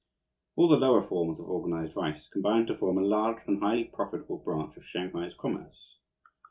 All the lower forms of organized vice combine to form a large and highly profitable branch of Shanghai's commerce.